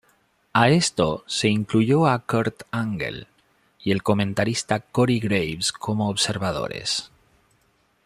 A esto se incluyó a Kurt Angle y el comentarista Corey Graves como observadores.